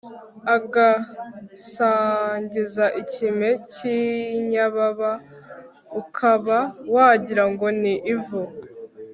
agasanzagiza ikime cy'inyababa, ukaba wagira ngo ni ivu